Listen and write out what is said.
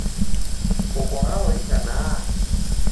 Koko hao itanaha?